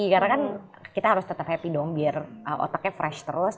karena kan kita harus tetap happy dong biar otaknya fresh terus